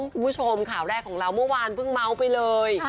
คุณผู้ชมข่าวแรกของเราเมื่อวานเพิ่งเมาส์ไปเลย